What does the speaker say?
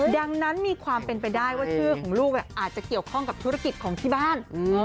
ดังนั้นมีความเป็นไปได้ว่าชื่อของลูกอาจจะเกี่ยวข้องกับธุรกิจของที่บ้าน